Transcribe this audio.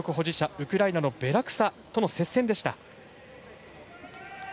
ウクライナのベラクサとの接戦でした。